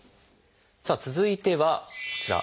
さあ続いてはこちら。